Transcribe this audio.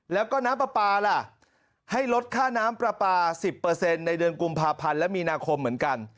แล้วก็น้ำปลาปลาล่ะให้ลดค่าน้ำปลาปลา๑๐ในเดือนกุมภาพันธ์และมีนาคมเหมือนกัน